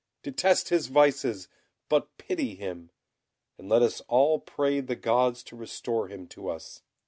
Detest his vices, but pity him, and let us all pray the gods to restore him to us.